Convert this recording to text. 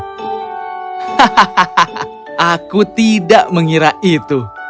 hahaha aku tidak mengira itu